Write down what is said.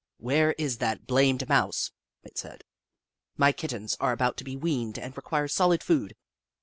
" Where is that blamed Mouse ?" it said. " My Kittens are about to be weaned and require solid food."